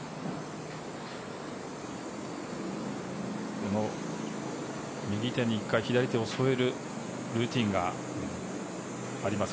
この右手に１回、左手を添えるルーチンがあります